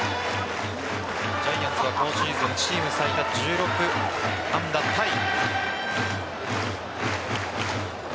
ジャイアンツは今シーズンチーム最多１６安打タイ。